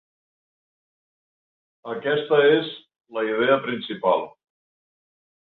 Aquesta és la idea principal.